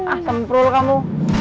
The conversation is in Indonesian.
ah semprul kamu